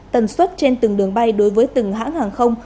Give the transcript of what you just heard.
tần suất trên từng đường bay đối với từng hãng hàng không